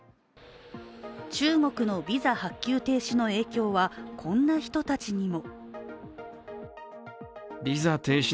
中国のビザ発給停止の影響はこんな人たちにも。